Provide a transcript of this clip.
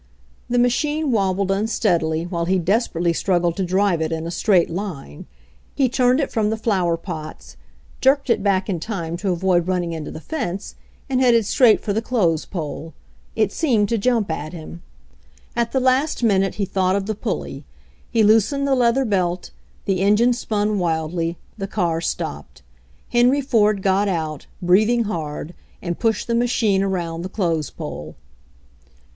The machine wobbled unsteadily, while he des perately struggled to drive it in a straight line. He turned it from the flower pots, jerked it back in time to avoid running into the fence, and headed straight for the clothes pole. It seemed to jump at him. 90 HENRY FORD'S OWN STORY At the last minute he thought of the pulley. He loosened the leather belt, the engine spun wildly, the car stopped. Henry Ford got out, breathing hard, and pushed the machine around the clothes pole.